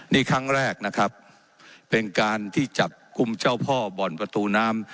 นี่ครั้งแรกนะครับเป็นการที่จับกลุ่มเจ้าพ่อบ่อนประตูน้ำ